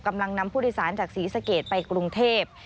นำผู้โดยสารจากศรีสะเกดไปกรุงเทพ